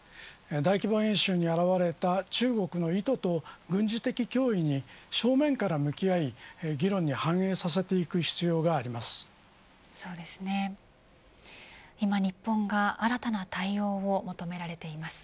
大規模演習に表れた中国の意図と軍事的脅威に正面から向き合い議論に反映させていく必要があります。